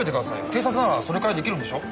警察ならそれくらい出来るんでしょう？